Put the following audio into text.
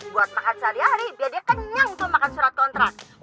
buat makan sehari hari biar dia kenyang tuh makan surat kontrak